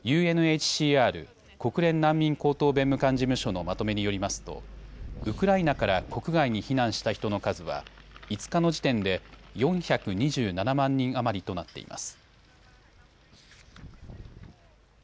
ＵＮＨＣＲ・国連難民高等弁務官事務所のまとめによりますとウクライナから国外に避難した人の数は５日の時点で４２７万人余りとなっています。